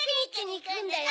いくんだよ。